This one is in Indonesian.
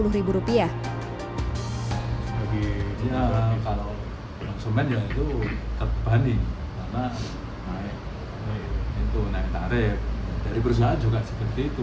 sebagiannya kalau konsumen ya itu terbani karena naik tarif dari perusahaan juga seperti itu